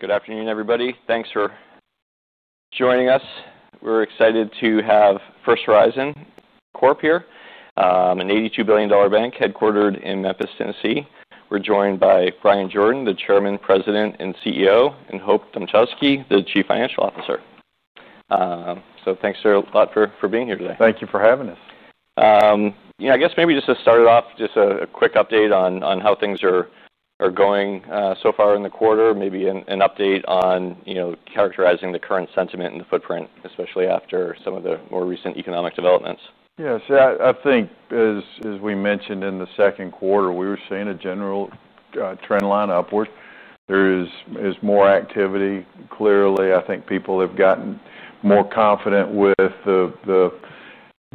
Good afternoon, everybody. Thanks for joining us. We're excited to have First Horizon Corporation here, an $82 billion bank headquartered in Memphis, Tennessee. We're joined by Bryan Jordan, the Chairman, President, and CEO, and Hope Dmuchowski, the Chief Financial Officer. Thanks a lot for being here today. Thank you for having us. I guess maybe just to start it off, just a quick update on how things are going so far in the quarter, maybe an update on characterizing the current sentiment in the footprint, especially after some of the more recent economic developments. Yes, I think, as we mentioned in the second quarter, we were seeing a general trend line upward. There is more activity. Clearly, I think people have gotten more confident with the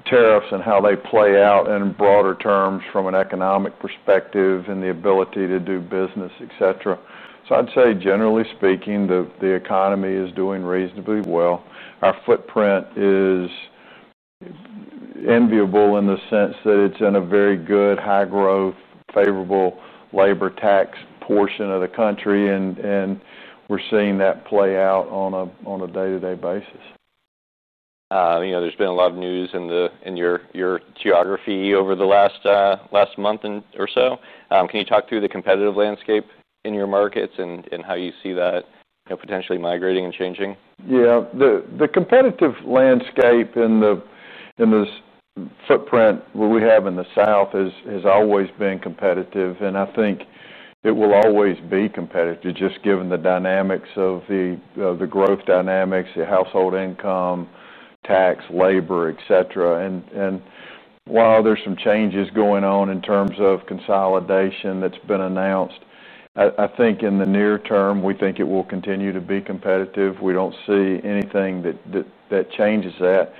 tariffs and how they play out in broader terms from an economic perspective and the ability to do business, etc. I'd say, generally speaking, the economy is doing reasonably well. Our footprint is enviable in the sense that it's in a very good, high-growth, favorable labor tax portion of the country, and we're seeing that play out on a day-to-day basis. You know, there's been a lot of news in your geography over the last month or so. Can you talk through the competitive landscape in your markets and how you see that potentially migrating and changing? The competitive landscape in the footprint where we have in the South has always been competitive, and I think it will always be competitive, just given the dynamics of the growth dynamics, the household income, tax, labor, etc. While there are some changes going on in terms of consolidation that's been announced, I think in the near term, we think it will continue to be competitive. We don't see anything that changes that.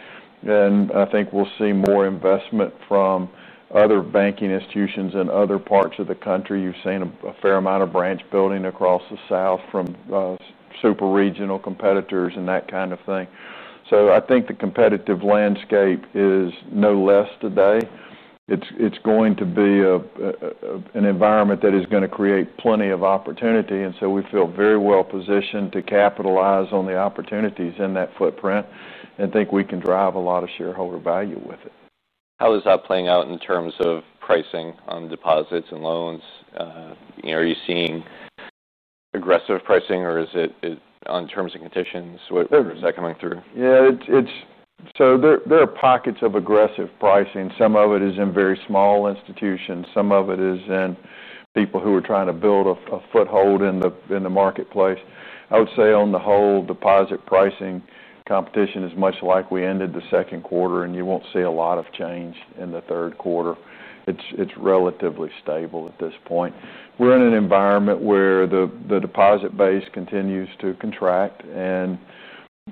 I think we'll see more investment from other banking institutions in other parts of the country. You've seen a fair amount of branch building across the South from super regional competitors and that kind of thing. I think the competitive landscape is no less today. It's going to be an environment that is going to create plenty of opportunity, and we feel very well positioned to capitalize on the opportunities in that footprint and think we can drive a lot of shareholder value with it. How is that playing out in terms of pricing on deposits and loans? Are you seeing aggressive pricing, or is it on terms and conditions? Where is that coming through? Yeah, there are pockets of aggressive pricing. Some of it is in very small institutions. Some of it is in people who are trying to build a foothold in the marketplace. I would say on the whole, deposit pricing competition is much like we ended the second quarter, and you won't see a lot of change in the third quarter. It's relatively stable at this point. We're in an environment where the deposit base continues to contract, and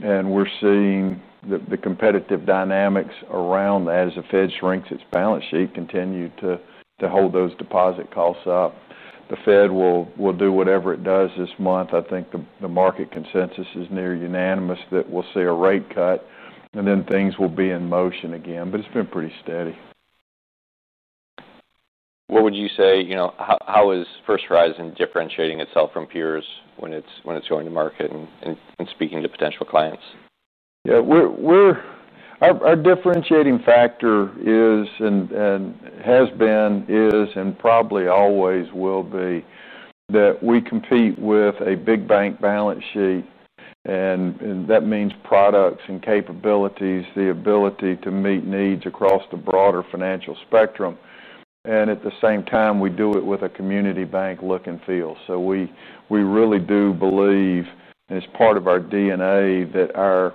we're seeing the competitive dynamics around that as the Fed shrinks its balance sheet, continue to hold those deposit costs up. The Fed will do whatever it does this month. I think the market consensus is near unanimous that we'll see a rate cut, and then things will be in motion again, but it's been pretty steady. What would you say, you know, how is First Horizon differentiating itself from peers when it's going to market and speaking to potential clients? Our differentiating factor is and has been, is, and probably always will be that we compete with a big bank balance sheet, and that means products and capabilities, the ability to meet needs across the broader financial spectrum. At the same time, we do it with a community bank look and feel. We really do believe, as part of our DNA, that our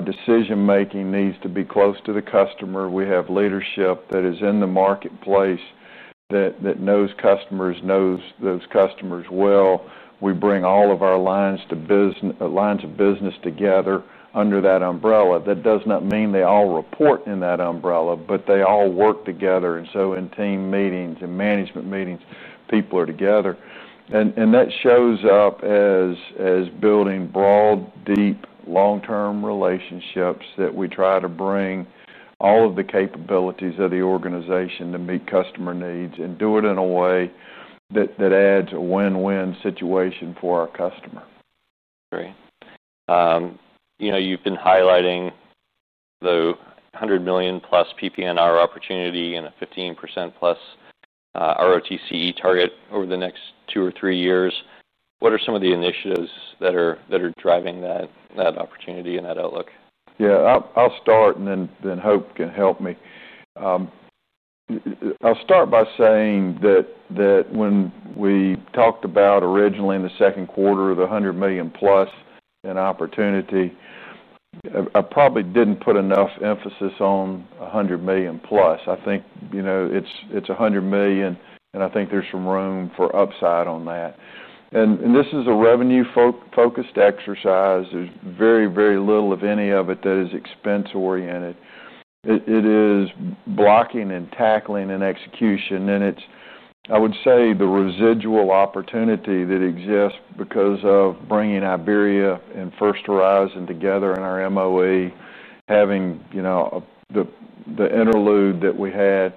decision-making needs to be close to the customer. We have leadership that is in the marketplace that knows customers, knows those customers well. We bring all of our lines of business together under that umbrella. That does not mean they all report in that umbrella, but they all work together. In team meetings and management meetings, people are together. That shows up as building broad, deep, long-term relationships that we try to bring all of the capabilities of the organization to meet customer needs and do it in a way that adds a win-win situation for our customer. Great. You know, you've been highlighting the $100 million plus PPNR opportunity and a 15% plus ROTCE target over the next two or three years. What are some of the initiatives that are driving that opportunity and that outlook? Yeah, I'll start, and then Hope can help me. I'll start by saying that when we talked about originally in the second quarter of the $100 million plus opportunity, I probably didn't put enough emphasis on $100 million plus. I think, you know, it's $100 million, and I think there's some room for upside on that. This is a revenue-focused exercise. There's very, very little of any of it that is expense-oriented. It is blocking and tackling and execution, and it's, I would say, the residual opportunity that exists because of bringing Iberia and First Horizon together in our MOE, having, you know, the interlude that we had.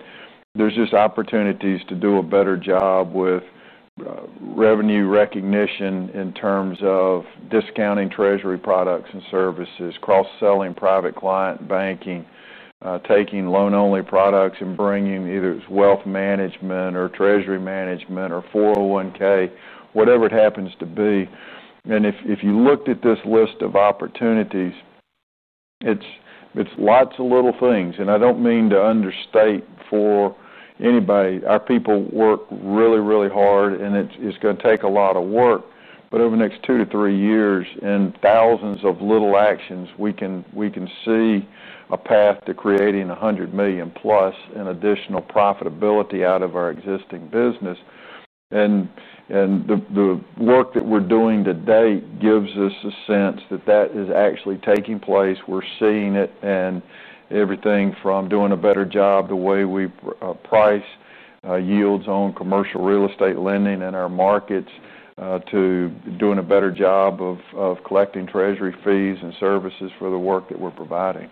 There are just opportunities to do a better job with revenue recognition in terms of discounting Treasury products and services, cross-selling private client banking, taking loan-only products, and bringing either it's wealth management or Treasury management or 401(k), whatever it happens to be. If you looked at this list of opportunities, it's lots of little things, and I don't mean to understate for anybody. Our people work really, really hard, and it's going to take a lot of work. Over the next two to three years and thousands of little actions, we can see a path to creating $100 million plus in additional profitability out of our existing business. The work that we're doing to date gives us a sense that that is actually taking place. We're seeing it in everything from doing a better job the way we price yields on commercial real estate lending in our markets to doing a better job of collecting Treasury fees and services for the work that we're providing.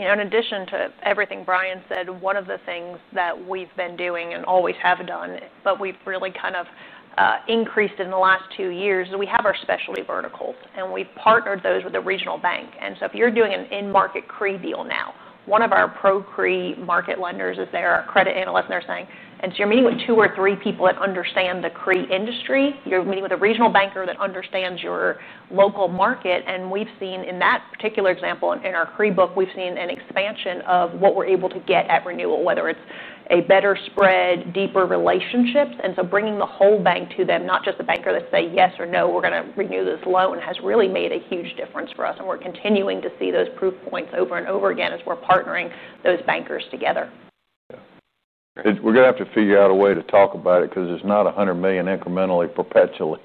You know, in addition to everything Bryan said, one of the things that we've been doing and always have done, but we've really kind of increased in the last two years, is we have our specialty verticals, and we've partnered those with a regional bank. If you're doing an in-market CRE deal now, one of our pro-CRE market lenders is there, our credit analyst, and they're saying, you're meeting with two or three people that understand the CRE industry. You're meeting with a regional banker that understands your local market. We've seen in that particular example in our CRE book, we've seen an expansion of what we're able to get at renewal, whether it's a better spread or deeper relationships. Bringing the whole bank to them, not just the banker that says, "Yes or no, we're going to renew this loan," has really made a huge difference for us. We're continuing to see those proof points over and over again as we're partnering those bankers together. Yeah, we're going to have to figure out a way to talk about it because it's not $100 million incrementally perpetually.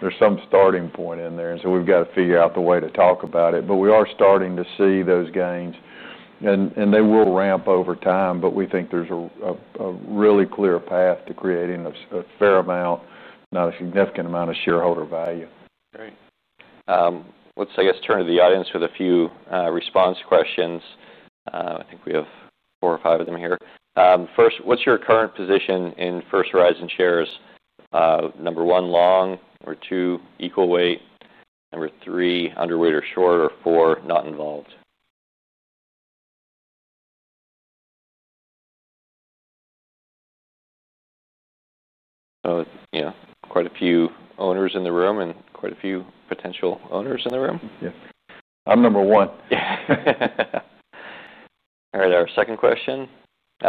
There's some starting point in there, and we've got to figure out the way to talk about it. We are starting to see those gains, and they will ramp over time. We think there's a really clear path to creating a fair amount, not a significant amount, of shareholder value. Great. Let's turn to the audience with a few response questions. I think we have four or five of them here. First, what's your current position in First Horizon shares? Number one, long; number two, equal weight; number three, underweight or short; or four, not involved? Oh, yeah, quite a few owners in the room and quite a few potential owners in the room. Yeah, I'm number one. All right, our second question,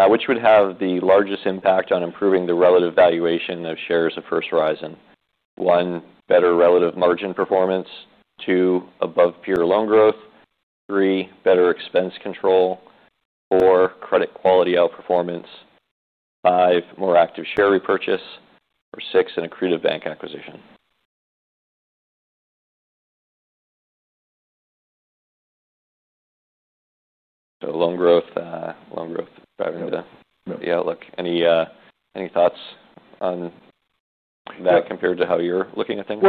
which would have the largest impact on improving the relative valuation of shares of First Horizon? One, better relative margin performance. Two, above peer loan growth. Three, better expense control. Four, credit quality outperformance. Five, more active share repurchase. Or six, an accrued bank acquisition. Loan growth, loan growth driving the outlook. Any thoughts on that compared to how you're looking at things?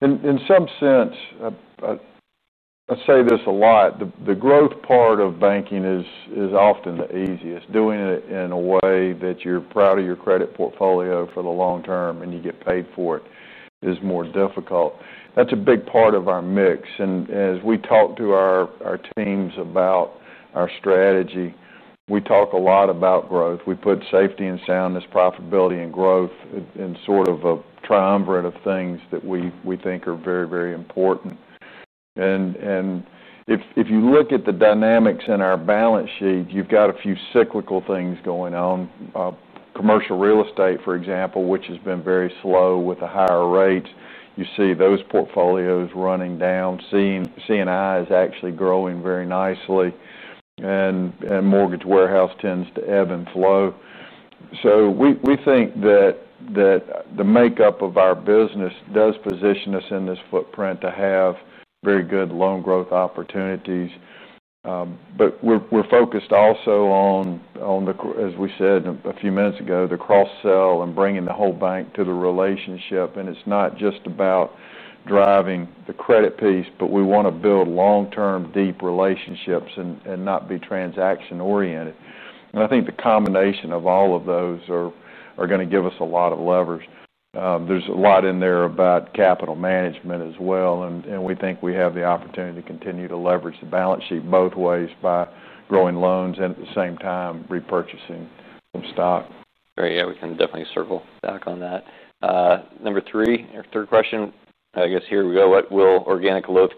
In some sense, I say this a lot, the growth part of banking is often the easiest. Doing it in a way that you're proud of your credit portfolio for the long term and you get paid for it is more difficult. That's a big part of our mix. As we talk to our teams about our strategy, we talk a lot about growth. We put safety and soundness, profitability, and growth in sort of a triumvirate of things that we think are very, very important. If you look at the dynamics in our balance sheet, you've got a few cyclical things going on. Commercial real estate, for example, which has been very slow with the higher rates, you see those portfolios running down. CNI is actually growing very nicely, and mortgage warehouse tends to ebb and flow. We think that the makeup of our business does position us in this footprint to have very good loan growth opportunities. We're focused also on, as we said a few minutes ago, the cross-sell and bringing the whole bank to the relationship. It's not just about driving the credit piece, but we want to build long-term, deep relationships and not be transaction-oriented. I think the combination of all of those are going to give us a lot of levers. There's a lot in there about capital management as well. We think we have the opportunity to continue to leverage the balance sheet both ways by growing loans and at the same time repurchasing some stock. Great. Yeah, we can definitely circle back on that. Number three, your third question, I guess here we go. What will organic loan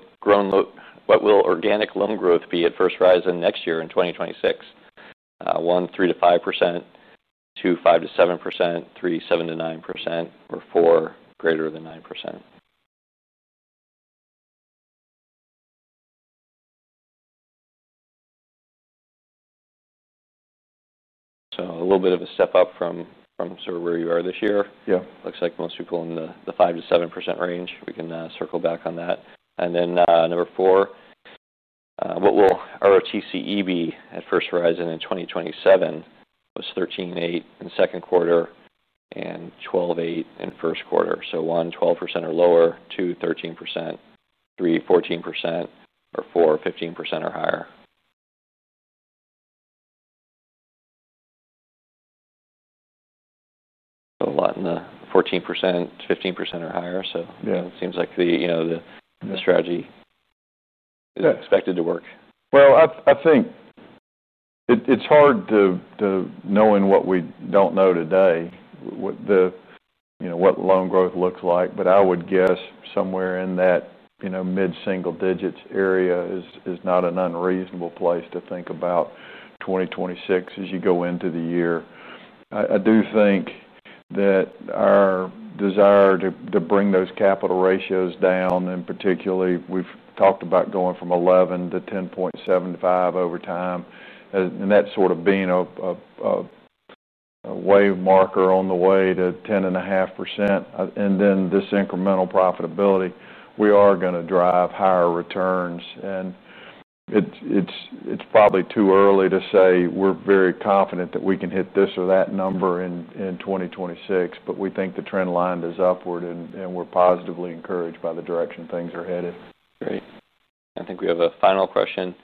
growth be at First Horizon next year in 2026? One, 3% to 5%. Two, 5% to 7%. Three, 7% to 9%. Four, greater than 9%. A little bit of a step up from sort of where you are this year. Yeah. Looks like most people in the 5% to 7% range. We can circle back on that. Number four, what will ROTCE be at First Horizon in 2027? It was 13.8% in the second quarter and 12.8% in the first quarter. One, 12% or lower; two, 13%; three, 14%; or four, 15% or higher. A lot in the 14%, 15% or higher. It seems like the strategy is expected to work. I think it's hard to know in what we don't know today what the, you know, what loan growth looks like. I would guess somewhere in that mid-single-digits area is not an unreasonable place to think about 2026 as you go into the year. I do think that our desire to bring those capital ratios down, and particularly we've talked about going from 11% to 10.75% over time, and that sort of being a wave marker on the way to 10.5% and then this incremental profitability, we are going to drive higher returns. It's probably too early to say we're very confident that we can hit this or that number in 2026, but we think the trend line is upward, and we're positively encouraged by the direction things are headed. Great. I think we have a final question.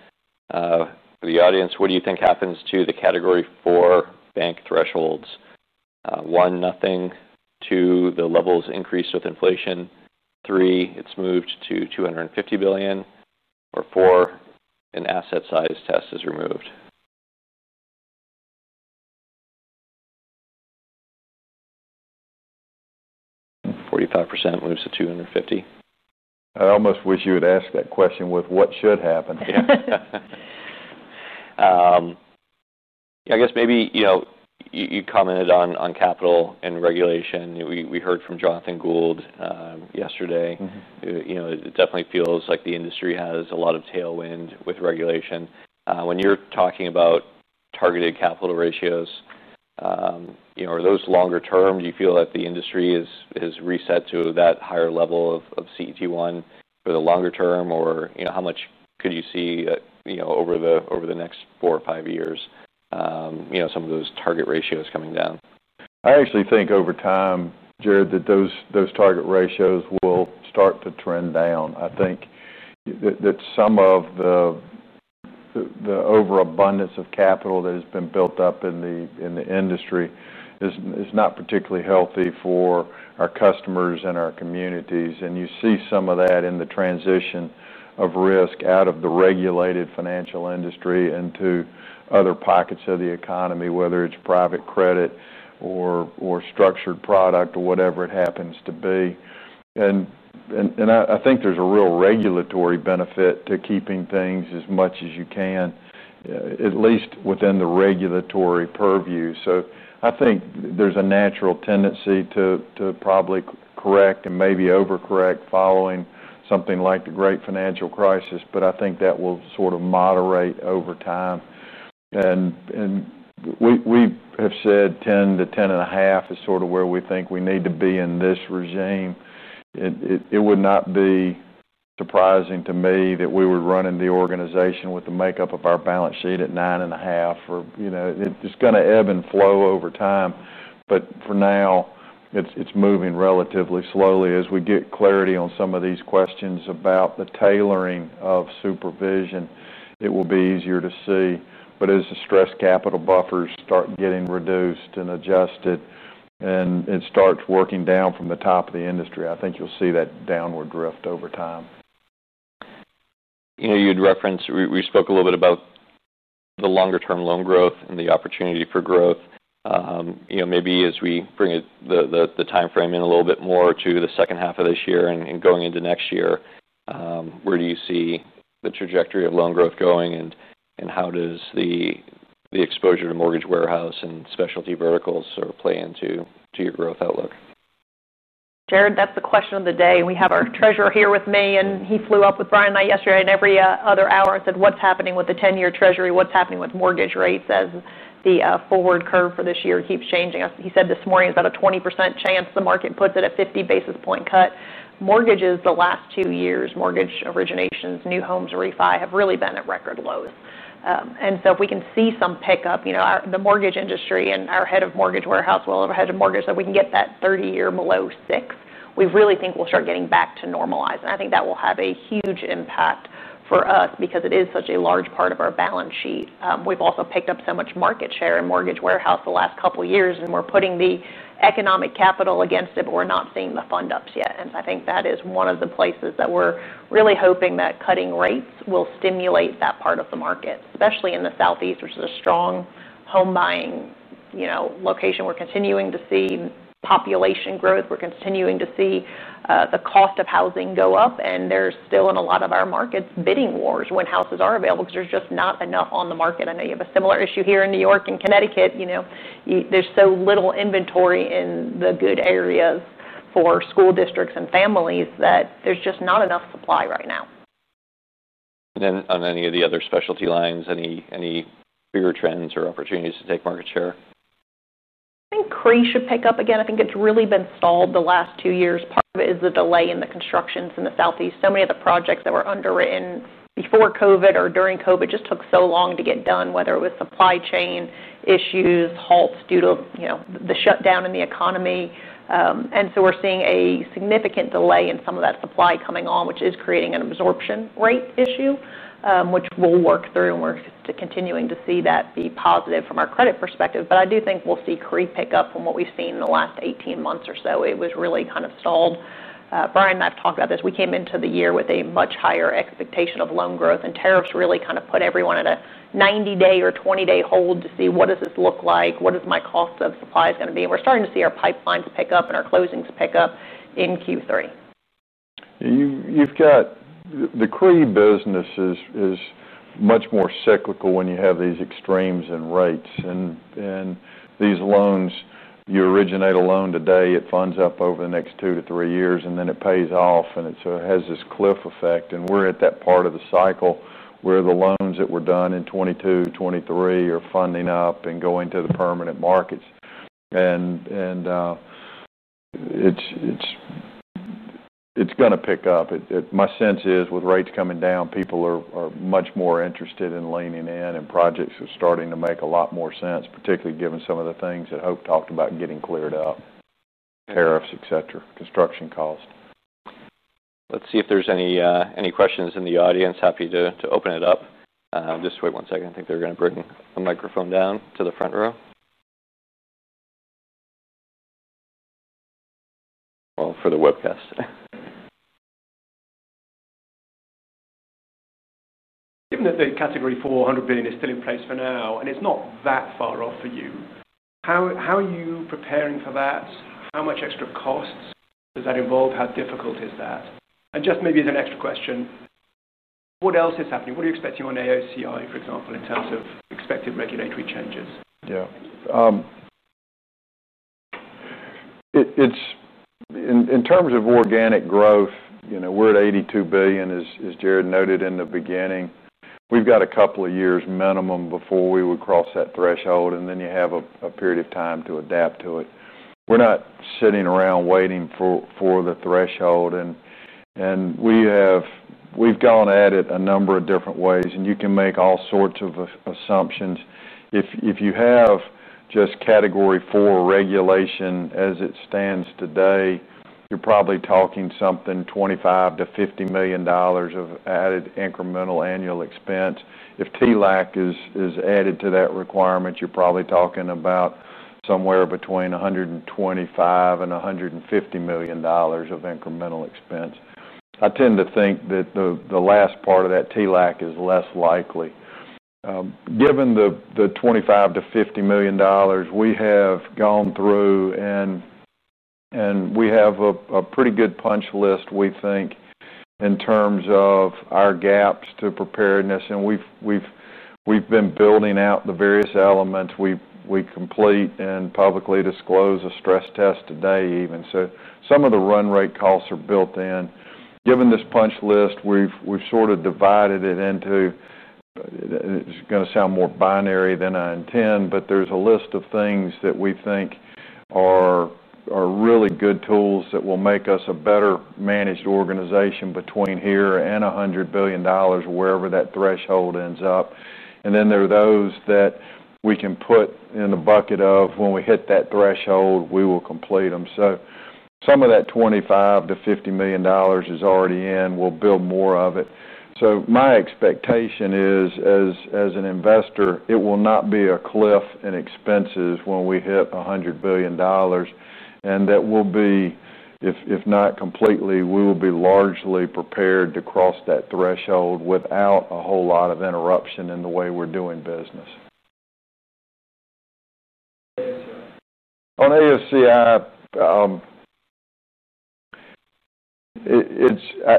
For the audience, what do you think happens to the category four bank thresholds? One, nothing. Two, the levels increased with inflation. Three, it's moved to $250 billion. Or four, an asset size test is removed. 45% moves to $250 billion. I almost wish you would ask that question with what should happen. Yeah, I guess maybe, you know, you commented on capital and regulation. We heard from Jonathan Gould yesterday. It definitely feels like the industry has a lot of tailwind with regulation. When you're talking about targeted capital ratios, are those longer term? Do you feel that the industry has reset to that higher level of CET1 for the longer term, or how much could you see over the next four or five years some of those target ratios coming down? I actually think over time, Jared, that those target ratios will start to trend down. I think that some of the overabundance of capital that has been built up in the industry is not particularly healthy for our customers and our communities. You see some of that in the transition of risk out of the regulated financial industry into other pockets of the economy, whether it's private credit or structured product or whatever it happens to be. I think there's a real regulatory benefit to keeping things as much as you can, at least within the regulatory purview. I think there's a natural tendency to probably correct and maybe overcorrect following something like the Great Financial Crisis, but I think that will sort of moderate over time. We have said 10% to 10.5% is sort of where we think we need to be in this regime. It would not be surprising to me that we would run in the organization with the makeup of our balance sheet at 9.5% or, you know, it's going to ebb and flow over time. For now, it's moving relatively slowly. As we get clarity on some of these questions about the tailoring of supervision, it will be easier to see. As the stress capital buffers start getting reduced and adjusted and it starts working down from the top of the industry, I think you'll see that downward drift over time. You had referenced, we spoke a little bit about the longer-term loan growth and the opportunity for growth. Maybe as we bring the timeframe in a little bit more to the second half of this year and going into next year, where do you see the trajectory of loan growth going, and how does the exposure to mortgage warehouse and specialty verticals sort of play into your growth outlook? Jared, that's the question of the day. We have our Treasurer here with me, and he flew up with Bryan and I yesterday and every other hour and said, "What's happening with the 10-year Treasury? What's happening with mortgage rates as the forward curve for this year keeps changing?" He said this morning it's at a 20% chance the market puts it at a 50 basis point cut. Mortgages, the last two years, mortgage originations, new homes refi, have really been at record lows. If we can see some pickup, the mortgage industry and our Head of Mortgage Warehouse, our Head of Mortgage, so we can get that 30-year below six, we really think we'll start getting back to normalizing. I think that will have a huge impact for us because it is such a large part of our balance sheet. We've also picked up so much market share in mortgage warehouse the last couple of years, and we're putting the economic capital against it, but we're not seeing the fund-ups yet. I think that is one of the places that we're really hoping that cutting rates will stimulate that part of the market, especially in the Southeast, which is a strong home-buying location. We're continuing to see population growth. We're continuing to see the cost of housing go up, and there's still in a lot of our markets bidding wars when houses are available because there's just not enough on the market. I know you have a similar issue here in New York and Connecticut. There's so little inventory in the good areas for school districts and families that there's just not enough supply right now. On any of the other specialty verticals, any bigger trends or opportunities to take market share? I think CRE should pick up again. I think it's really been stalled the last two years. Part of it is the delay in the constructions in the Southeast. So many of the projects that were underwritten before COVID or during COVID just took so long to get done, whether it was supply chain issues, halts due to, you know, the shutdown in the economy. We're seeing a significant delay in some of that supply coming on, which is creating an absorption rate issue, which we'll work through, and we're continuing to see that be positive from our credit perspective. I do think we'll see CRE pick up from what we've seen in the last 18 months or so. It was really kind of stalled. Bryan and I have talked about this. We came into the year with a much higher expectation of loan growth, and tariffs really kind of put everyone at a 90-day or 20-day hold to see what does this look like, what is my cost of supply going to be. We're starting to see our pipelines pick up and our closings pick up in Q3. You've got the CRE business is much more cyclical when you have these extremes in rates and these loans. You originate a loan today, it funds up over the next two to three years, and then it pays off, so it has this cliff effect. We're at that part of the cycle where the loans that were done in 2022, 2023 are funding up and going to the permanent markets. It's going to pick up. My sense is with rates coming down, people are much more interested in leaning in, and projects are starting to make a lot more sense, particularly given some of the things that Hope talked about getting cleared up: tariffs, etc., construction cost. Let's see if there's any questions in the audience. Happy to open it up. I'll just wait one second. I think they're going to bring a microphone down to the front row, all for the webcast. Given that the category $400 billion is still in place for now, and it's not that far off for you, how are you preparing for that? How much extra costs does that involve? How difficult is that? Maybe as an extra question, what else is happening? What are you expecting on AOCI, for example, in terms of expected regulatory changes? Yeah, in terms of organic growth, you know, we're at $82 billion, as Jared noted in the beginning. We've got a couple of years minimum before we would cross that threshold, and then you have a period of time to adapt to it. We're not sitting around waiting for the threshold, and we've gone at it a number of different ways, and you can make all sorts of assumptions. If you have just category four regulation as it stands today, you're probably talking something $25 to $50 million of added incremental annual expense. If TLAC is added to that requirement, you're probably talking about somewhere between $125 and $150 million of incremental expense. I tend to think that the last part of that TLAC is less likely. Given the $25 to $50 million we have gone through, and we have a pretty good punch list, we think, in terms of our gaps to preparedness. We've been building out the various elements. We complete and publicly disclose a stress test today even. Some of the run rate costs are built in. Given this punch list, we've sort of divided it into, it's going to sound more binary than I intend, but there's a list of things that we think are really good tools that will make us a better managed organization between here and $100 billion wherever that threshold ends up. There are those that we can put in the bucket of when we hit that threshold, we will complete them. Some of that $25 to $50 million is already in. We'll build more of it. My expectation is, as an investor, it will not be a cliff in expenses when we hit $100 billion, and that we'll be, if not completely, we will be largely prepared to cross that threshold without a whole lot of interruption in the way we're doing business. On AOCI,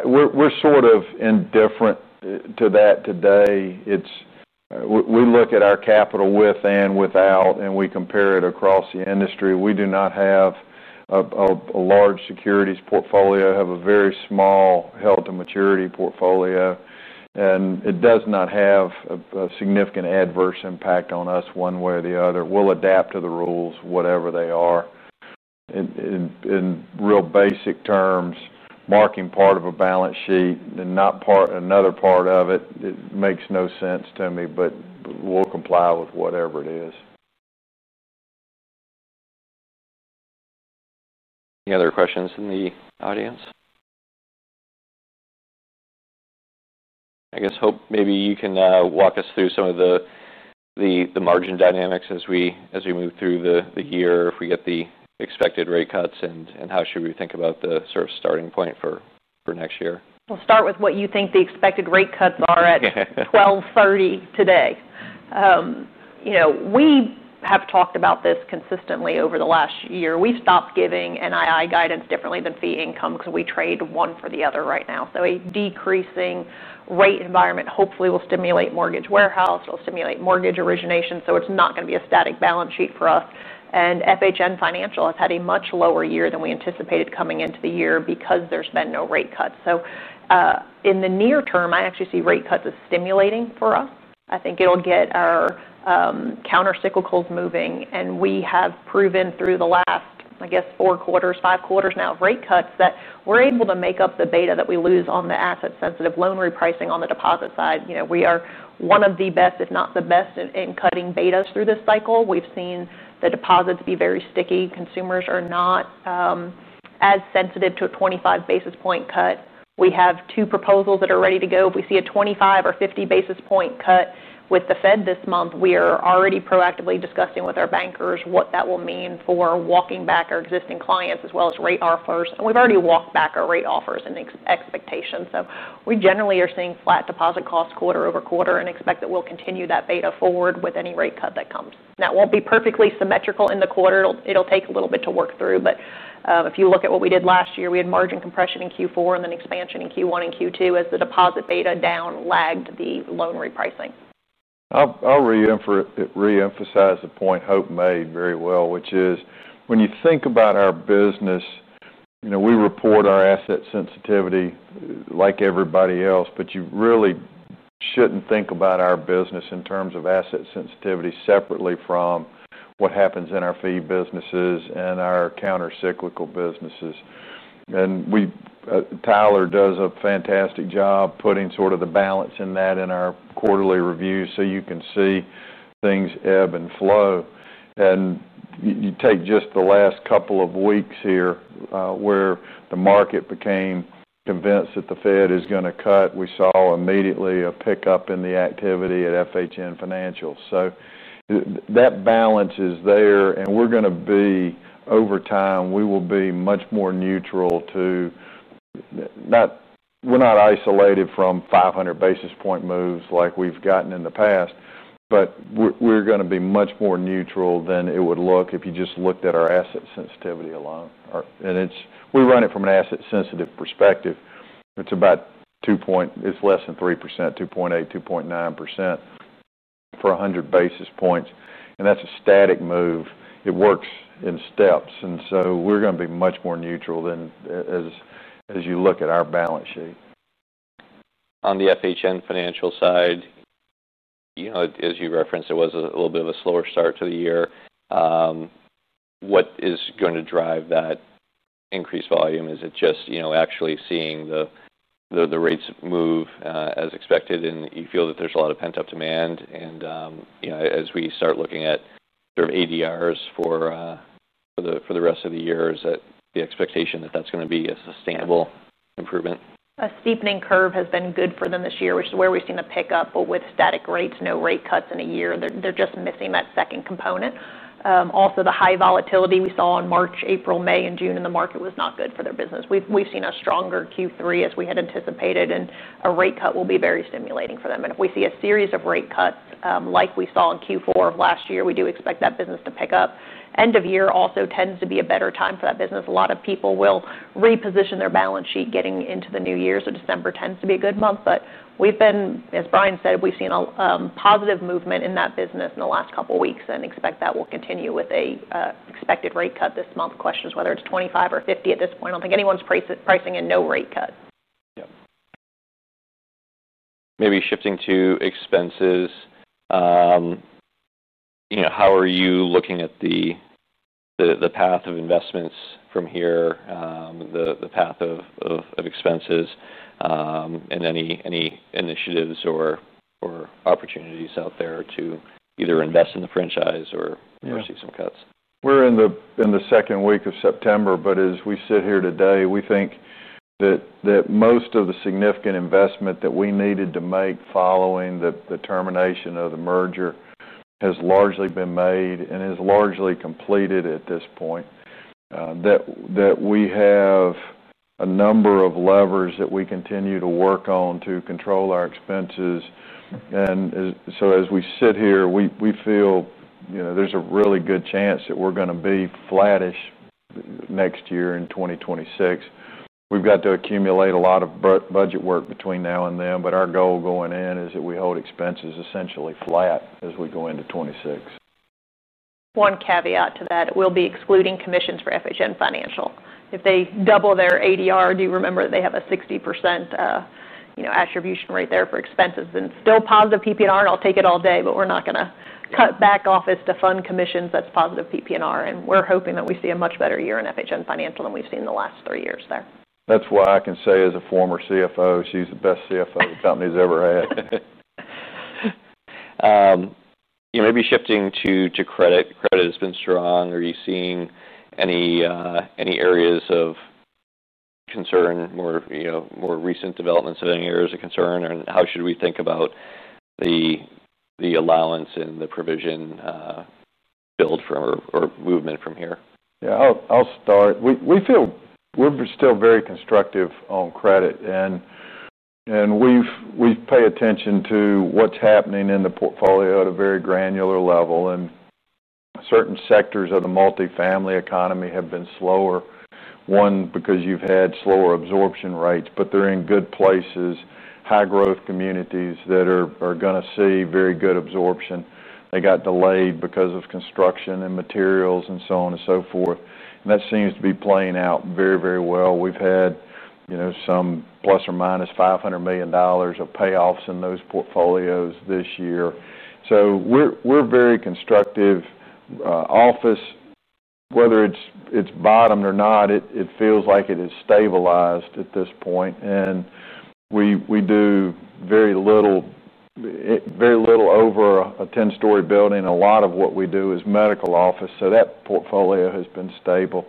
we're sort of indifferent to that today. We look at our capital with and without, and we compare it across the industry. We do not have a large securities portfolio. We have a very small held to maturity portfolio, and it does not have a significant adverse impact on us one way or the other. We'll adapt to the rules, whatever they are. In real basic terms, marking part of a balance sheet and not part another part of it, it makes no sense to me, but we'll comply with whatever it is. Any other questions in the audience? I guess, Hope, maybe you can walk us through some of the margin dynamics as we move through the year if we get the expected rate cuts, and how should we think about the sort of starting point for next year? We'll start with what you think the expected rate cuts are at 12:30 P.M. today. You know, we have talked about this consistently over the last year. We've stopped giving NII guidance differently than fee income because we trade one for the other right now. A decreasing rate environment hopefully will stimulate mortgage warehouse. It'll stimulate mortgage origination. It's not going to be a static balance sheet for us. FHN Financial has had a much lower year than we anticipated coming into the year because there's been no rate cut. In the near term, I actually see rate cuts as stimulating for us. I think it'll get our countercyclicals moving. We have proven through the last, I guess, four quarters, five quarters now of rate cuts that we're able to make up the beta that we lose on the asset-sensitive loan repricing on the deposit side. We are one of the best, if not the best, in cutting betas through this cycle. We've seen the deposits be very sticky. Consumers are not as sensitive to a 25 bps cut. We have two proposals that are ready to go. If we see a 25 or 50 bps cut with the Fed this month, we are already proactively discussing with our bankers what that will mean for walking back our existing clients as well as rate offers. We've already walked back our rate offers and expectations. We generally are seeing flat deposit costs quarter over quarter and expect that we'll continue that beta forward with any rate cut that comes. That won't be perfectly symmetrical in the quarter. It'll take a little bit to work through. If you look at what we did last year, we had margin compression in Q4 and then expansion in Q1 and Q2 as the deposit beta down lagged the loan repricing. I'll reemphasize a point Hope made very well, which is when you think about our business, you know, we report our asset sensitivity like everybody else, but you really shouldn't think about our business in terms of asset sensitivity separately from what happens in our fee businesses and our countercyclical businesses. Tyler does a fantastic job putting sort of the balance in that in our quarterly review so you can see things ebb and flow. You take just the last couple of weeks here where the market became convinced that the Fed is going to cut. We saw immediately a pickup in the activity at FHN Financial. That balance is there, and we're going to be, over time, we will be much more neutral to, not we're not isolated from 500 basis point moves like we've gotten in the past, but we're going to be much more neutral than it would look if you just looked at our asset sensitivity alone. We run it from an asset-sensitive perspective. It's about 2.8%, 2.9% for 100 basis points, and that's a static move. It works in steps. We're going to be much more neutral than as you look at our balance sheet. On the FHN Financial side, as you referenced, it was a little bit of a slower start to the year. What is going to drive that increased volume? Is it just actually seeing the rates move as expected and you feel that there's a lot of pent-up demand? As we start looking at sort of ADRs for the rest of the year, is that the expectation that that's going to be a sustainable improvement? A steepening curve has been good for them this year, which is where we've seen the pickup, but with static rates, no rate cuts in a year, they're just missing that second component. Also, the high volatility we saw in March, April, May, and June in the market was not good for their business. We've seen a stronger Q3 as we had anticipated, and a rate cut will be very stimulating for them. If we see a series of rate cuts like we saw in Q4 of last year, we do expect that business to pick up. End of year also tends to be a better time for that business. A lot of people will reposition their balance sheet getting into the new year, so December tends to be a good month. As Bryan said, we've seen a positive movement in that business in the last couple of weeks and expect that will continue with an expected rate cut this month. The question is whether it's 25 or 50 at this point. I don't think anyone's pricing in no rate cut. Maybe shifting to expenses, how are you looking at the path of investments from here, the path of expenses, and any initiatives or opportunities out there to either invest in the franchise or see some cuts? We're in the second week of September, but as we sit here today, we think that most of the significant investment that we needed to make following the termination of the merger has largely been made and is largely completed at this point. We have a number of levers that we continue to work on to control our expenses. As we sit here, we feel there's a really good chance that we're going to be flattish next year in 2026. We've got to accumulate a lot of budget work between now and then, but our goal going in is that we hold expenses essentially flat as we go into 2026. One caveat to that, we'll be excluding commissions for FHN Financial. If they double their ADR, do you remember that they have a 60% attribution rate there for expenses and still positive PPNR? I'll take it all day, but we're not going to cut back office to fund commissions. That's positive PPNR. We're hoping that we see a much better year in FHN Financial than we've seen in the last three years there. That's why I can say as a former CFO, she's the best CFO the company's ever had. Maybe shifting to credit. Credit has been strong. Are you seeing any areas of concern, more recent developments of any areas of concern, and how should we think about the allowance and the provision build from or movement from here? Yeah, I'll start. We feel we're still very constructive on credit, and we pay attention to what's happening in the portfolio at a very granular level. Certain sectors of the multifamily economy have been slower, one, because you've had slower absorption rates, but they're in good places, high-growth communities that are going to see very good absorption. They got delayed because of construction and materials and so on and so forth. That seems to be playing out very, very well. We've had some plus or minus $500 million of payoffs in those portfolios this year. We're very constructive. Office, whether it's bottomed or not, it feels like it is stabilized at this point. We do very little, very little over a 10-story building. A lot of what we do is medical office. That portfolio has been stable.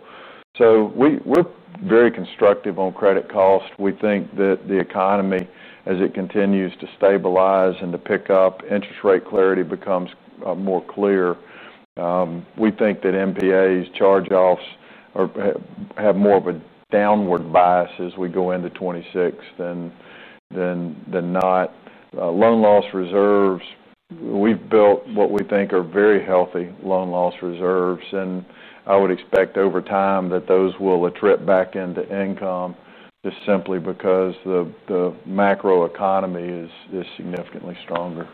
We're very constructive on credit cost. We think that the economy, as it continues to stabilize and to pick up, interest rate clarity becomes more clear. We think that MBAs, charge-offs have more of a downward bias as we go into 2026 than not. Loan loss reserves, we've built what we think are very healthy loan loss reserves. I would expect over time that those will attrit back into income just simply because the macroeconomy is significantly stronger.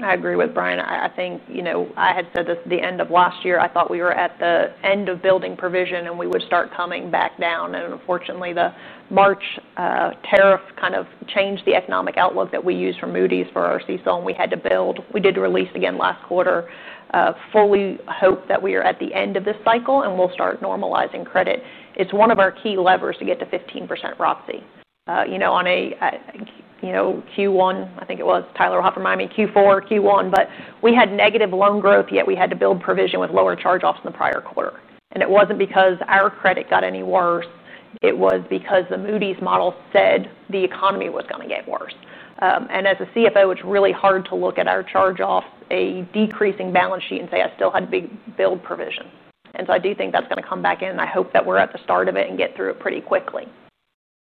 I agree with Bryan. I think, you know, I had said this at the end of last year. I thought we were at the end of building provision and we would start coming back down. Unfortunately, the March tariff kind of changed the economic outlook that we use for Moody's for our CSO, and we had to build. We did release again last quarter, fully hope that we are at the end of this cycle and we'll start normalizing credit. It's one of our key levers to get the 15% ROTCE, you know, on a, you know, Q1, I think it was Martin Hoffmann might mean Q4, Q1. We had negative loan growth yet we had to build provision with lower charge-offs in the prior quarter. It wasn't because our credit got any worse. It was because the Moody's model said the economy was going to get worse. As a CFO, it's really hard to look at our charge-off, a decreasing balance sheet and say I still had to build provision. I do think that's going to come back in. I hope that we're at the start of it and get through it pretty quickly.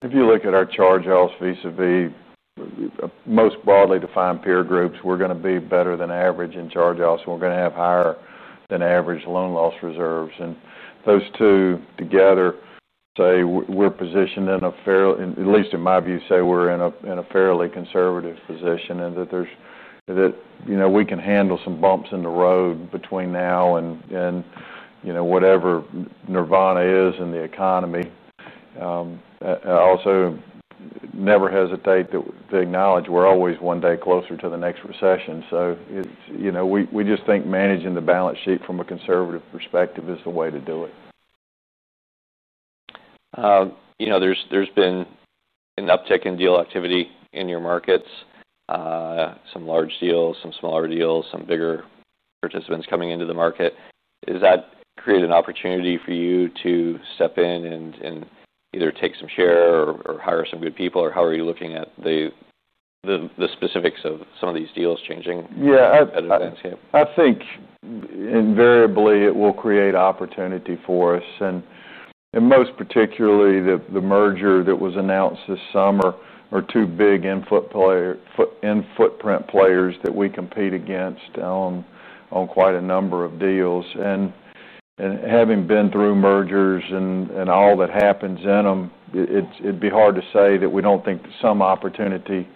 If you look at our charge-offs, these are the most broadly defined peer groups. We're going to be better than average in charge-offs. We're going to have higher than average loan loss reserves. Those two together say we're positioned in a fairly, at least in my view, say we're in a fairly conservative position and that there's, you know, we can handle some bumps in the road between now and, you know, whatever nirvana is in the economy. Also, never hesitate to acknowledge we're always one day closer to the next recession. We just think managing the balance sheet from a conservative perspective is the way to do it. You know, there's been enough check-in deal activity in your markets, some large deals, some smaller deals, some bigger participants coming into the market. Does that create an opportunity for you to step in and either take some share or hire some good people, or how are you looking at the specifics of some of these deals changing the competitive landscape? Yeah, I think invariably it will create opportunity for us. Most particularly, the merger that was announced this summer are two big in-footprint players that we compete against on quite a number of deals. Having been through mergers and all that happens in them, it'd be hard to say that we don't think that some opportunity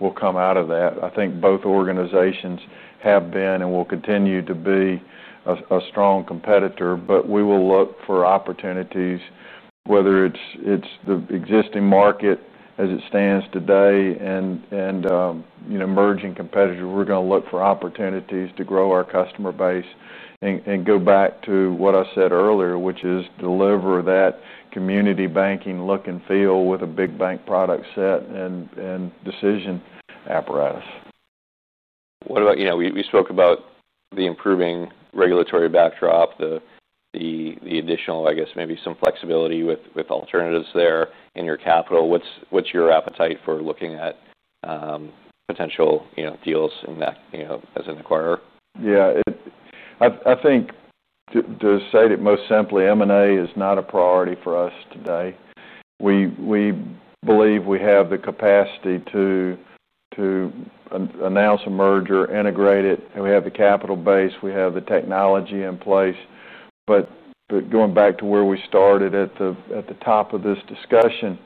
will come out of that. I think both organizations have been and will continue to be a strong competitor. We will look for opportunities, whether it's the existing market as it stands today and, you know, merging competitors. We're going to look for opportunities to grow our customer base and go back to what I said earlier, which is deliver that community banking look and feel with a big bank product set and decision apparatus. What about, you know, we spoke about the improving regulatory backdrop, the additional, I guess, maybe some flexibility with alternatives there in your capital. What's your appetite for looking at potential, you know, deals in that, you know, as an acquirer? Yeah, I think to say it most simply, M&A is not a priority for us today. We believe we have the capacity to announce a merger, integrate it, and we have the capital base, we have the technology in place. Going back to where we started at the top of this discussion,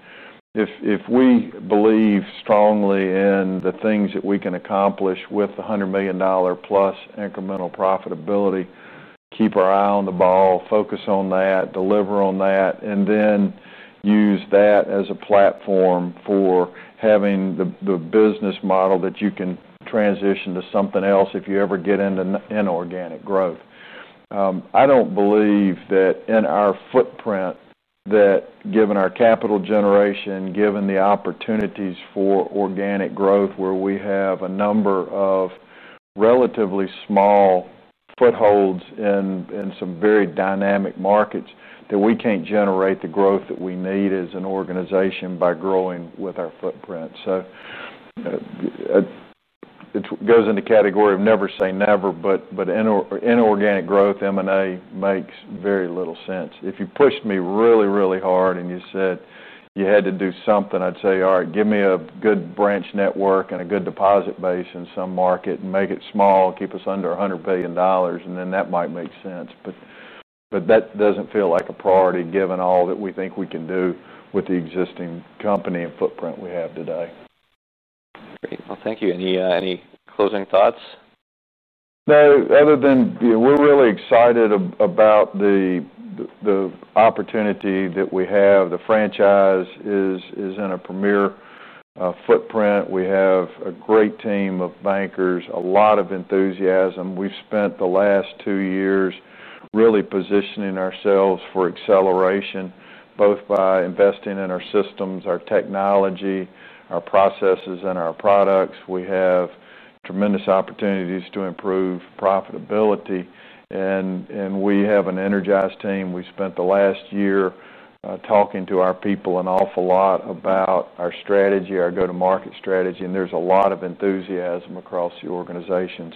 if we believe strongly in the things that we can accomplish with the $100 million plus incremental profitability, keep our eye on the ball, focus on that, deliver on that, and then use that as a platform for having the business model that you can transition to something else if you ever get into inorganic growth. I don't believe that in our footprint, that given our capital generation, given the opportunities for organic growth where we have a number of relatively small footholds in some very dynamic markets, that we can't generate the growth that we need as an organization by growing with our footprint. It goes in the category of never say never, but inorganic growth, M&A makes very little sense. If you pushed me really, really hard and you said you had to do something, I'd say, all right, give me a good branch network and a good deposit base in some market and make it small, keep us under $100 billion, and then that might make sense. That doesn't feel like a priority given all that we think we can do with the existing company and footprint we have today. Great. Thank you. Any closing thoughts? No, other than we're really excited about the opportunity that we have. The franchise is in a premier footprint. We have a great team of bankers, a lot of enthusiasm. We've spent the last two years really positioning ourselves for acceleration, both by investing in our systems, our technology, our processes, and our products. We have tremendous opportunities to improve profitability. We have an energized team. We spent the last year talking to our people an awful lot about our strategy, our go-to-market strategy, and there's a lot of enthusiasm across the organization.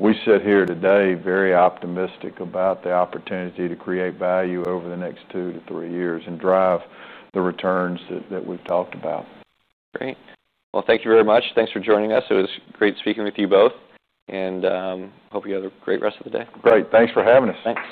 We sit here today very optimistic about the opportunity to create value over the next two to three years and drive the returns that we've talked about. Great. Thank you very much. Thanks for joining us. It was great speaking with you both, and hope you have a great rest of the day. Great. Thanks for having us. Thanks.